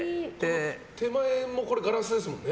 手前もガラスですもんね。